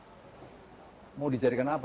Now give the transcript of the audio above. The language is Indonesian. tidak saya tidak memikirkan tentang tni